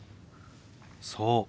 そう。